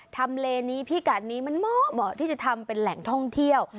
ทำเลนี้พิกัดนี้มันเหมาะที่จะทำเป็นแหล่งท่องเที่ยว